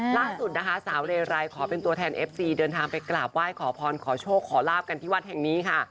ล่าสุดนะคะสาวเรไรขอเป็นตัวแทนเอฟซีเดินทางไปกราบไหว้ขอพรขอโชคขอลาบกันที่วัดแห่งนี้ค่ะ